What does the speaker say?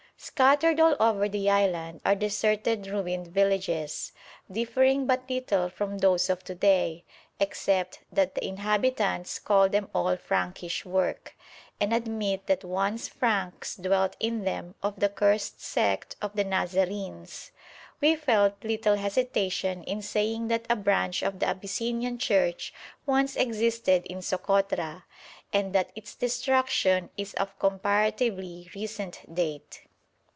Scattered all over the island are deserted ruined villages, differing but little from those of to day, except that the inhabitants call them all Frankish work, and admit that once Franks dwelt in them of the cursed sect of the Nazarenes. We felt little hesitation in saying that a branch of the Abyssinian Church once existed in Sokotra, and that its destruction is of comparatively recent date.